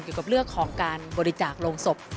ไว้กับเรื่องของการบริจาคโรงศพ